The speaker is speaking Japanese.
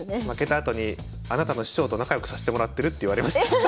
負けたあとにあなたの師匠と仲良くさせてもらってるって言われました。